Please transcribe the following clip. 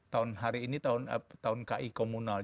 tahun hari ini tahun ki komunal